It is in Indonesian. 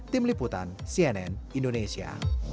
tim liputan cnn indonesia